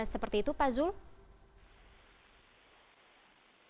seperti itu pak zulkifli